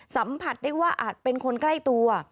สัมผัสได้ว่าอาจเป็นคนใกล้ตัว